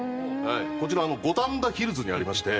こちら五反田ヒルズにありまして。